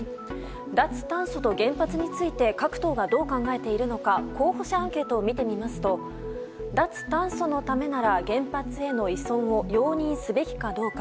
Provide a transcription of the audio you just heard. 脱炭素と原発について各党がどう考えているのか候補者アンケートを見てみますと脱炭素のためなら原発への依存を容認すべきかどうか。